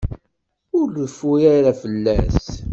Ur reffu ara fell-as.